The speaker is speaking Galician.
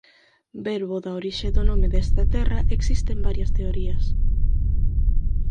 Verbo da orixe do nome desta terra existen varias teorías.